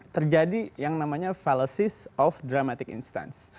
terjadi yang namanya fallosis of dramatic instance